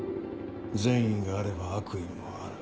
善意があれば悪意もある。